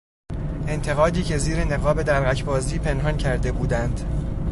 انتقادی که زیر نقاب دلقکبازی پنهان کرده بودند